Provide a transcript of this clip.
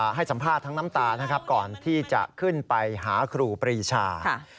ให้สัมภาษณ์ทั้งน้ำตานะครับก่อนที่จะขึ้นไปหาครูปรีชา